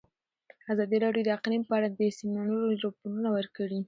ازادي راډیو د اقلیم په اړه د سیمینارونو راپورونه ورکړي.